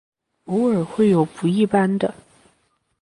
偶尔会有不一般的。